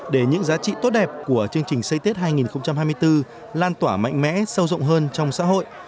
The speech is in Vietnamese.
để những giá trị tốt đẹp của chương trình xây tết hai nghìn hai mươi bốn lan tỏa mạnh mẽ sâu rộng hơn trong xã hội